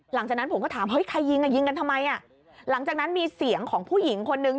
หลังจากนั้นผมก็ถามเฮ้ยใครยิงอ่ะยิงกันทำไมอ่ะหลังจากนั้นมีเสียงของผู้หญิงคนนึง